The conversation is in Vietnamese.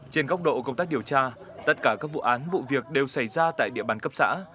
trên góc độ công tác điều tra tất cả các vụ án vụ việc đều xảy ra tại địa bàn cấp xã